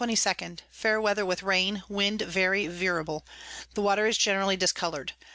_ Fair Weather with Rain, Wind very veerable. The Water is generally discolour'd.